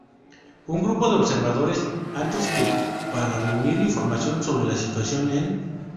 Un grupo de observadores antes que para reunir información sobre la situación en.